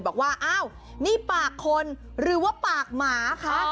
บอกว่าอ้าวนี่ปากคนหรือว่าปากหมาคะ